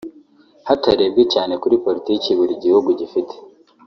hatarebwe cyane kuri Politiki buri gihugu gifite